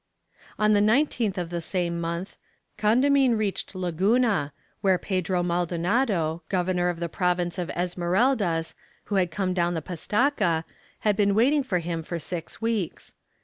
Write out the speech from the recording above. On the 19th of the same month Condamine reached Laguna, where Pedro Maldonado, governor of the province of Esmeraldas, who had come down the Pastaca, had been waiting for him for six weeks.